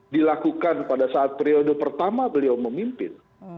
dilakukan pada saat periode pertama beliau memimpin